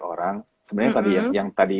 orang sebenernya tadi yang tadi